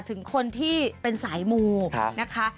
ถึงคนที่เป็นสายมูนะคะ